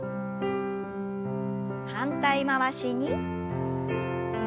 反対回しに。